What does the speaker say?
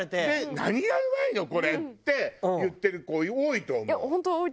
「何がうまいの？これ」って言ってる子多いと思う。